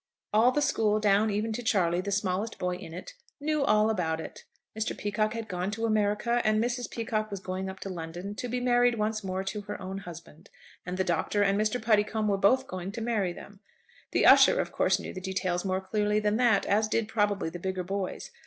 All the school, down even to Charley, the smallest boy in it, knew all about it. Mr. Peacocke had gone to America, and Mrs. Peacocke was going up to London to be married once more to her own husband, and the Doctor and Mr. Puddicombe were both going to marry them. The usher of course knew the details more clearly than that, as did probably the bigger boys.